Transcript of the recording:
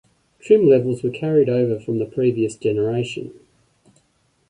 Trim levels were carried over from the previous generation.